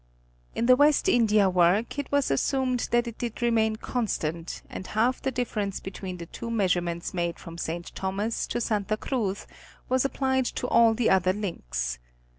In the West India work, it was assumed that it did remain con stant, and half the difference between the two measurements made from St. Thomas to Santa Cruz, was applied to all the other links.